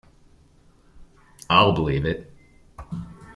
I'll believe it.